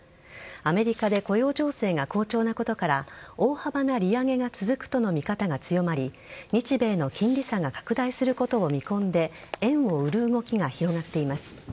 アメリカで雇用情勢が好調なことから大幅な利上げが続くとの見方が強まり日米の金利差が拡大することを見込んで円を売る動きが広がっています。